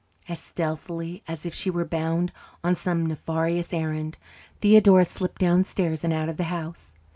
As stealthily as if she were bound on some nefarious errand, Theodora slipped downstairs and out of the house.